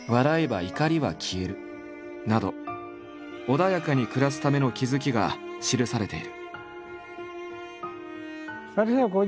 穏やかに暮らすための気付きが記されている。